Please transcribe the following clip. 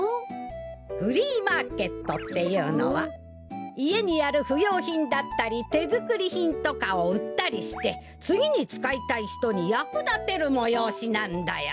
フリーマーケットっていうのはいえにあるふようひんだったりてづくりひんとかをうったりしてつぎにつかいたいひとにやくだてるもよおしなんだよ。